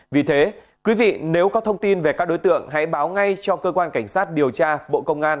vì thế quý vị nếu có thông tin về các đối tượng hãy báo ngay cho cơ quan cảnh sát điều tra bộ công an